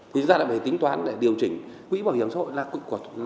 thì chúng ta lại phải tính toán để điều chỉnh quỹ bảo hiểm xã hội